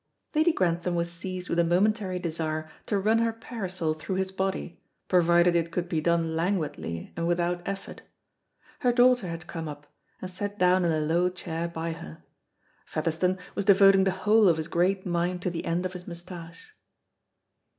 Lady Grantham was seized with a momentary desire to run her parasol through his body, provided it could be done languidly and without effort. Her daughter had come up, and sat down in a low chair by her. Featherstone was devoting the whole of his great mind to the end of his moustache.